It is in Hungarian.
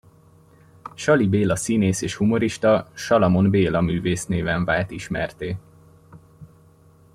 Saly Béla színész és humorista Salamon Béla művésznéven vált ismertté.